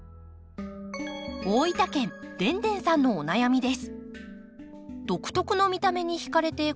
大分県でんでんさんのお悩みです。